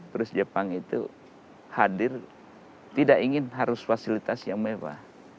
terus jepang itu hadir tidak ingin harus fasilitas yang mewah